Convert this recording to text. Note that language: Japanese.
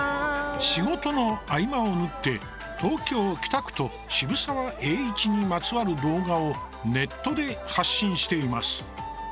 仕事の合間を縫って東京・北区と渋沢栄一にまつわる動画をネットで発信しています。